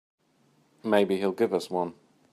Maybe he'll give us one.